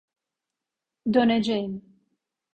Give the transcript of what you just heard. Döneceğim.